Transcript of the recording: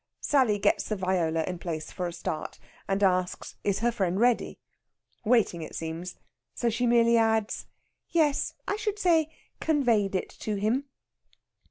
'" Sally gets the viola in place for a start, and asks is her friend ready? Waiting, it seems; so she merely adds, "Yes, I should say conveyed it to him."